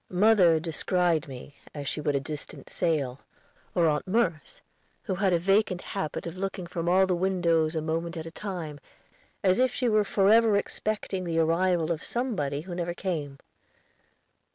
Mother descried me, as she would a distant sail, or Aunt Merce, who had a vacant habit of looking from all the windows a moment at a time, as if she were forever expecting the arrival of somebody who never came.